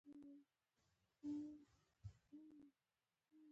پیسې په اسانۍ سره له لاسه وځي دا حقیقت دی.